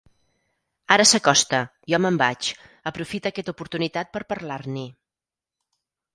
Ara s'acosta. Jo me'n vaig. Aprofita aquesta oportunitat per parlar-n'hi.